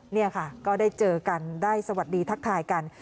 นี่ค่ะก็ได้เจอกันได้สวัสดีทักทายกัน